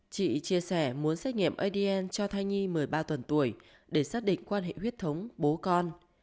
chị chia sẻ muốn xét nghiệm adn cho thai nhi một mươi ba tuần tuổi để xác định quan hệ huyết thống bố con